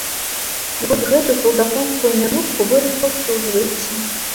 І вось гэту салдафонскую мянушку вы распаўсюджваеце.